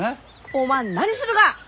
おまん何するが！？